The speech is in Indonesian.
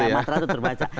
matra itu terbaca